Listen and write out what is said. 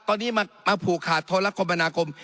ตอนนี้มาผูกขาดโทรคมนาคม